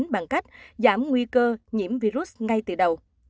bằng cách giảm nguy cơ nhiễm virus ngay từ đầu